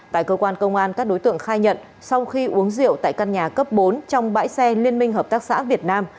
tại cơ quan công an các đối tượng khai nhận sau khi uống rượu tại căn nhà cấp bốn trong bãi xe liên minh hợp tác xã việt nam